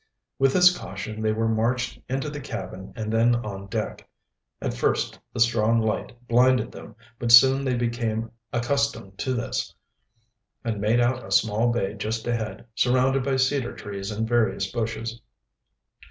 With this caution they were marched into the cabin and then on deck. At first the strong light blinded them, but soon they became accustomed to this, and made out a small bay just ahead, surrounded by cedar trees and various bushes.